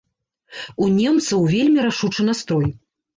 У немцаў вельмі рашучы настрой.